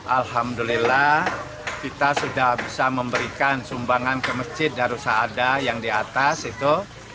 alhamdulillah kita sudah bisa memberikan sumbangan ke masjid darussada yang di atas itu